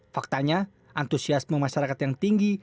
faktanya antusiasme masyarakat yang tinggi